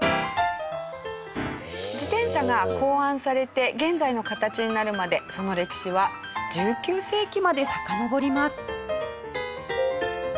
自転車が考案されて現在の形になるまでその歴史は１９世紀までさかのぼります。